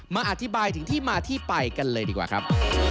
มาอธิบายถึงที่มาที่ไปกันเลยดีกว่าครับ